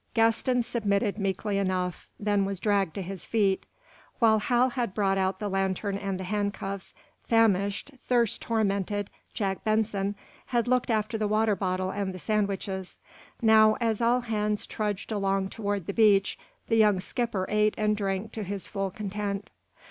Gaston submitted meekly enough, then was dragged to his feet. While Hal had brought out the lantern and the handcuffs, famished, thirst tormented Jack Benson had looked after the water bottle and the sandwiches. Now, as all hands trudged along toward the beach the young skipper ate and drank to his full content.